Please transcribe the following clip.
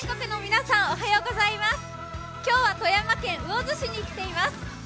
今日は富山県魚津市に来ています。